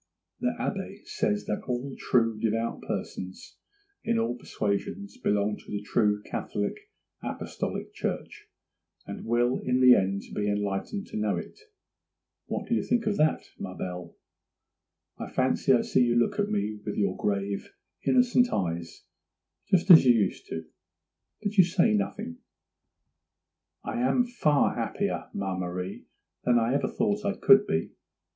The Abbé says that all true, devout persons in all persuasions belong to the true Catholic Apostolic Church, and will in the end be enlightened to know it; what do you think of that, ma belle? I fancy I see you look at me with your grave, innocent eyes, just as you used to; but you say nothing. 'I am far happier, ma Marie, than I ever thought I could be.